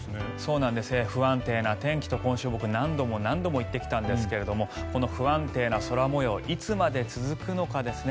不安定な天気と今週僕は何度も何度も言ってきたんですがこの不安定な空模様いつまで続くのかですね